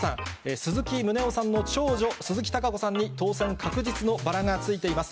鈴木宗男さんの長女、鈴木貴子さんに当選確実のバラがついています。